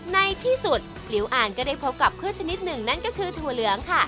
ในที่สุดหลิวอ่านก็ได้พบกับพืชชนิดหนึ่งนั่นก็คือถั่วเหลืองค่ะ